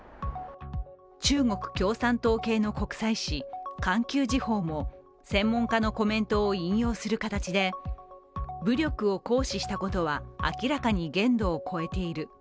中国共産党系国際紙「環球時報」も専門家のコメントを引用する形で、武力を行使したことは明らかに限度を超えている。